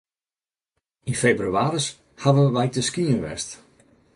Yn febrewaris hawwe wy te skieën west.